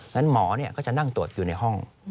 หมอก็จะนั่งตรวจอยู่ในห้อง